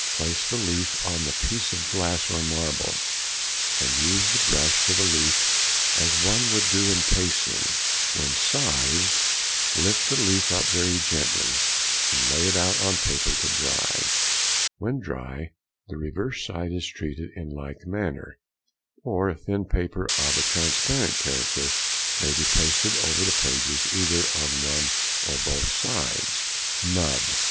Place the leaf on a piece of glass or marble, and use the brush to the leaf as one would do in pasting; when sized, lift the leaf up very gently and lay it out on paper to dry; when dry, the reverse side is treated in like manner; or a thin paper of a transparent character may be pasted over the pages, either on one or both sides. _Mud.